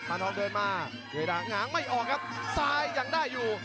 ทองเดินมาเดดาหงางไม่ออกครับซ้ายยังได้อยู่